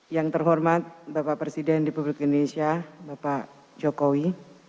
yang terhormat bapak presiden republik indonesia bapak jokowi